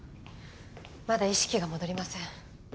まだ意識が戻りません。